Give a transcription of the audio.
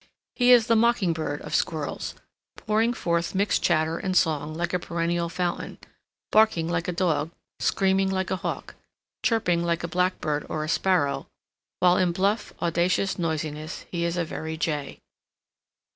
He is the mocking bird of squirrels, pouring forth mixed chatter and song like a perennial fountain; barking like a dog, screaming like a hawk, chirping like a blackbird or a sparrow; while in bluff, audacious noisiness he is a very jay.